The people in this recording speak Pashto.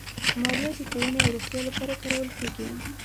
مالیه د ښوونې او روغتیا لپاره کارول کېږي.